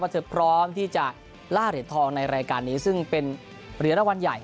เธอพร้อมที่จะล่าเหรียญทองในรายการนี้ซึ่งเป็นเหรียญรางวัลใหญ่